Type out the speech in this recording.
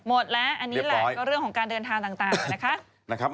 หมดแล้วอันนี้แหละก็เรื่องของการเดินทางต่างเลยนะครับเรียบปร้อย